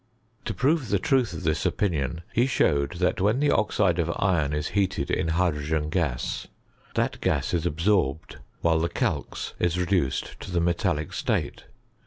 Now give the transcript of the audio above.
To prove the truth of this opinion, he showed that when the oxide of iron is heated in hydrogen gas, that gas is absorbed, while the calx is reduced to the metallic state.